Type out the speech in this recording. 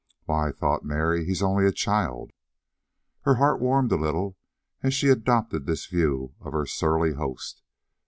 "Why," thought Mary, "he's only a child!" Her heart warmed a little as she adopted this view of her surly host.